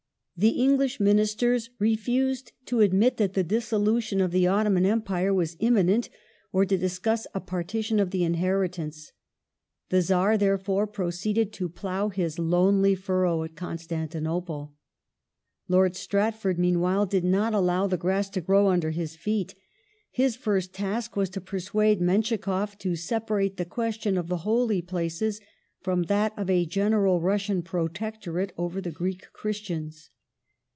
The English Ministers re fused to admit that the dissolution of the Ottoman Empire was imminent, or to discuss a partition of the inheritance.^ The Czar, therefore, proceeded to plough his lonely furrow at Constantinople. ^°^^r J Lord Stratford, meanwhile, did not allow the grass to grow de Red under his feet. His first task was to persuade MenschikofF to chffe at separate the question of the Holy Places from that of a general nople Russian protectorate over the Greek Christians.